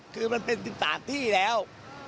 คือมันเป็นติดต่างที่แล้ว